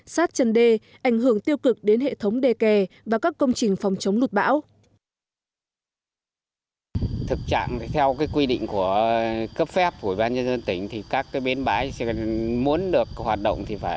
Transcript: sát chân đê ảnh hưởng tiêu cực đến hệ thống đê kè và các công trình phòng chống lụt bão